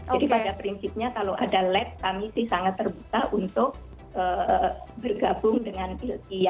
jadi pada prinsipnya kalau ada lab kami sih sangat terbuka untuk bergabung dengan ilky